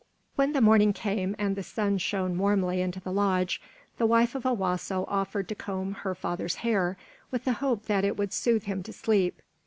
When the morning came, and the sun shone warmly into the lodge, the wife of Owasso offered to comb her father's hair, with the hope that it would soothe him to sleep.